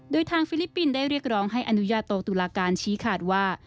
โดยทางฟิลิปปินส์ได้เรียกร้องให้อนุญาโตตุลาการชี้ขาดว่า